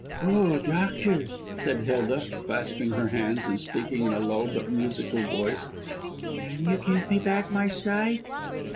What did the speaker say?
"Oh, doctor," said Hilda, clasping her hands, and speaking in a low, but musical voice, "can you give me back my sight?"